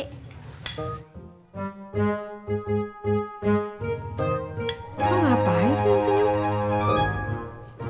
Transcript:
kok ngapain senyum senyum